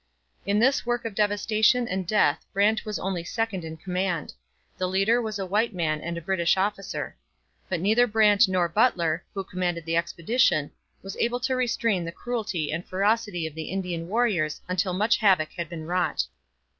In this work of devastation and death Brant was only second in command; the leader was a white man and a British officer. But neither Brant nor Butler, who commanded the expedition, was able to restrain the cruelty and ferocity of the Indian warriors until much havoc had been wrought.